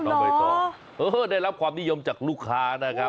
ได้รับความนิยมจากลูกค้า